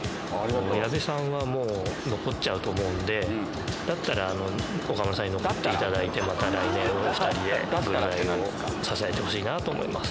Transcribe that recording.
矢部さんはもう、残っちゃうと思うんで、だったら、岡村さんに残っていただいて、また来年も２人でぐるナイを支えてほしいなと思います。